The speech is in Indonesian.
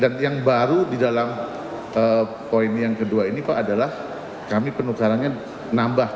dan yang baru di dalam poin yang kedua ini pak adalah kami penukarannya nambah